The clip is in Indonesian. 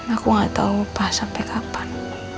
aku nggak tahu pak sampai kapan